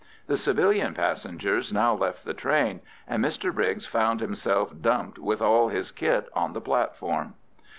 The civilian passengers now left the train, and Mr Briggs found himself dumped with all his kit on the platform.